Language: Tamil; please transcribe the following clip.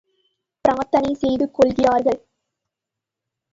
பிரார்த்தனை செய்து கொள்கிறார்கள்.